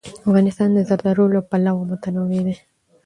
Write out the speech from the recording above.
افغانستان د زردالو له پلوه متنوع دی.